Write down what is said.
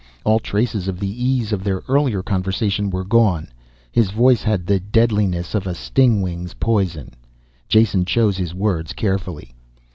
All traces of the ease of their earlier conversation were gone, his voice had the deadliness of a stingwing's poison. Jason chose his words carefully.